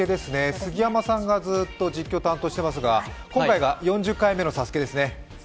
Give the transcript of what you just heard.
杉山さんがずっと実況担当していますが、今回が４０回目の「ＳＡＳＵＫＥ」ですね。